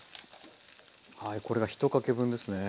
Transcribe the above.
はいこれが１かけ分ですね。